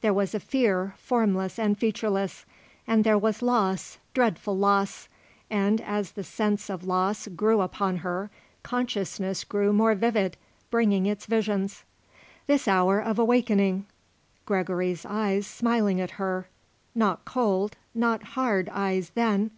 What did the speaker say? There was a fear formless and featureless; and there was loss, dreadful loss. And as the sense of loss grew upon her, consciousness grew more vivid, bringing its visions. This hour of awakening. Gregory's eyes smiling at her, not cold, not hard eyes then.